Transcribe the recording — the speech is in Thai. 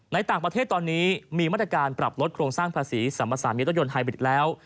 ในต่างประเทศตอนนี้มีมาตรการปรับลดโครงสร้างภาษีสัมภาษามีรถยนต์ไฮบริดแล้ว